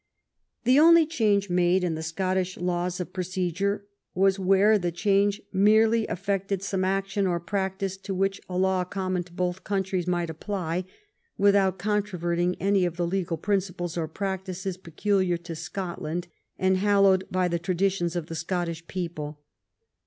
The only change made in the Scottish laws of pro cedure was where the change merely affected some action or practice to which a law conmion to botli countries might apply, without controverting any of the legal principles or practices peculiar to Scotland and hallowed by the traditions of the Scottish people.